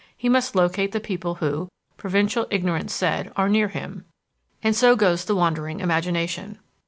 He must locate the people who, provincial ignorance said, are near him. And so goes the wandering imagination.